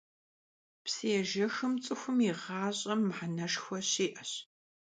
Psıêjjexım ts'ıxum yi ğaş'em mıheneşşxue şi'eş.